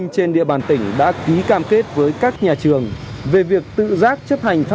có hay đi mùi đường gì không